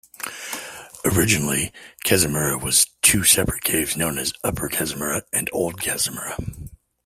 Originally Kazumura was two separate caves known as Upper Kazumura and Old Kazumura.